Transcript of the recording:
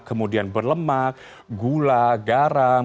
kemudian berlemak gula garam